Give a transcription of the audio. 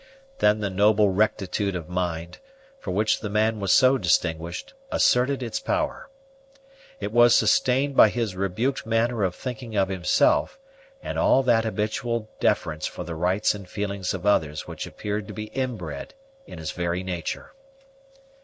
Then the noble rectitude of mind, for which the man was so distinguished, asserted its power; it was sustained by his rebuked manner of thinking of himself, and all that habitual deference for the rights and feelings of others which appeared to be inbred in his very nature.